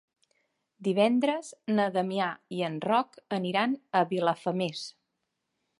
Divendres na Damià i en Roc aniran a Vilafamés.